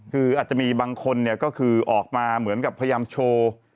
คืออาจจะมีบางคนออกมากับพยายามโชว์